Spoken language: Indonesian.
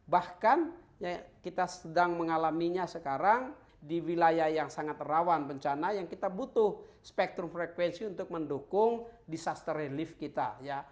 bahkan kita sedang mengalaminya sekarang di wilayah yang sangat rawan bencana yang kita butuh spektrum frekuensi untuk mendukung disaster relief kita